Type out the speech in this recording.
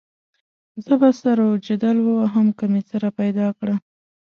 زه به سر وجدل ووهم که مې څه درپیدا کړه.